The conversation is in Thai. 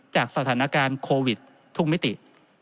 จากสถานการณ์โควิดทุกมิติ